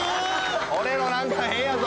俺のなんか変やぞ！